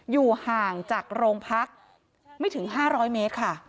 อยู่ห่างจากโรงพักไม่ถึง๕๐๐เมตรค่ะ